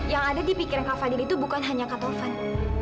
yang ada di pikiran kak fadil itu bukan hanya kak tovan